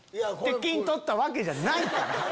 て金取ったわけじゃないから。